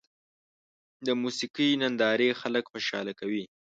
د موسیقۍ نندارې خلک خوشحاله کوي.